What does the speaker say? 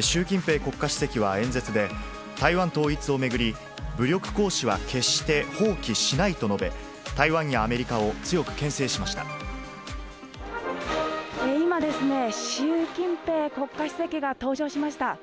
習近平国家主席は演説で、台湾統一を巡り、武力行使は決して放棄しないと述べ、台湾やアメリカを強くけん制今、習近平国家主席が登場しました。